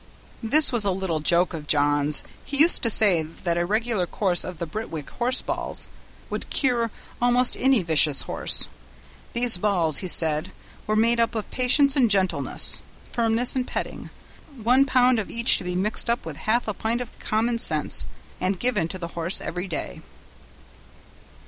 This was a little joke of John's; he used to say that a regular course of "the Birtwick horseballs" would cure almost any vicious horse; these balls, he said, were made up of patience and gentleness, firmness and petting, one pound of each to be mixed up with half a pint of common sense, and given to the horse every day.